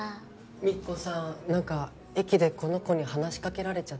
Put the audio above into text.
みっこさんなんか駅でこの子に話しかけられちゃって。